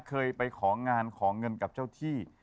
เคยไปของานขอเงินกับเจ้าที่